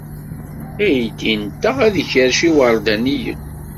Aydi-nteɣ ad ikerrec iwerdaniyen.